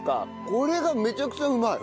これがめちゃくちゃうまい。